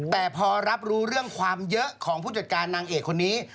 แต่พอรับรู้เรื่องความเยอะของผู้จัดการนางเอกคนนี้